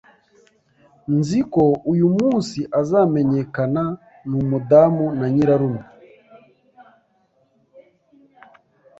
Nzi ko uyu munsi azamenyekana numudamu na nyirarume